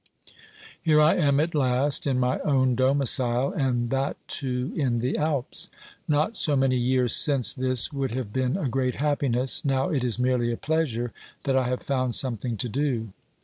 Here I am at last in my own domicile, and that too in the Alps. Not so many years since this would have been a great happiness ; now it is merely a pleasure that I have found something to do.